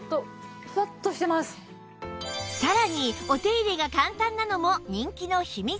さらにお手入れが簡単なのも人気の秘密